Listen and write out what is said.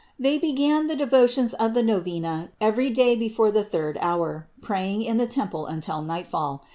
They began the devotions of the novena every day before the third hour, praying in the temple until nightfall.